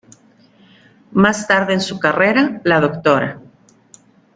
Más tarde en su carrera, la Dra.